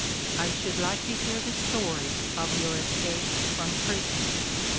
I should like to hear the story of your escape from prison."